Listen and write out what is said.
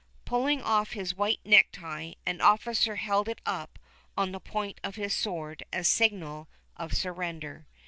Pulling off his white necktie, an officer held it up on the point of his sword as signal of surrender.